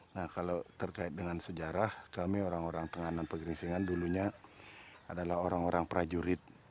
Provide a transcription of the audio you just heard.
nah kalau terkait dengan sejarah kami orang orang tenganan pegeringsingan dulunya adalah orang orang prajurit